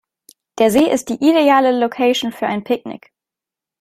Der See ist die ideale Location für ein Picknick.